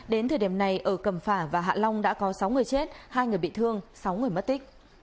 đến thời điểm này ở cầm phả và hạ long đã có sáu người chết hai người bị thương sáu người mất tích